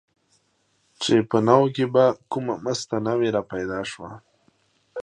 چې په ناوو کې به چې کومه مسته ناوې را پیدا شوه.